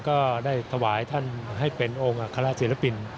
ก็ได้ถวายท่านให้เป็นองค์อัครศิลปิน